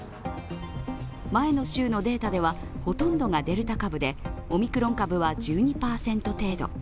前の週のデータではほとんどがデルタ株でオミクロン株は１２％程度。